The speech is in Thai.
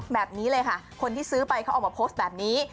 แบบนี้เลยค่ะคนที่ซื้อไปเขาออกมาโพสต์แบบนี้